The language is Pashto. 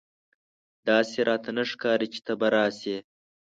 داسي راته نه ښکاري چې ته به راسې !